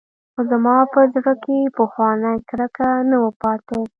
خو زما په زړه کښې پخوانۍ کرکه نه وه پاته.